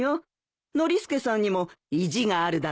ノリスケさんにも意地があるだろうからね。